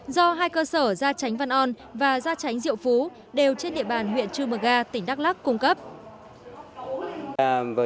do hai cơ sở gia tránh văn on và gia tránh diệu phú đều trên địa bàn huyện trư mờ ga tỉnh đắk lắc cung cấp